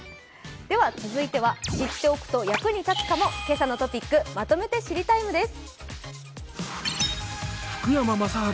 続いては知っておくと役に立つかも「けさのトピックまとめて知りＴＩＭＥ，」です。